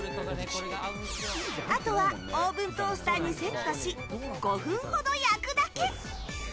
あとはオーブントースターにセットし５分ほど焼くだけ。